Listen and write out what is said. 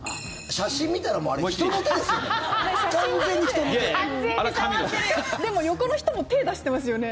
写真見たら、もうあれ人の手ですよね。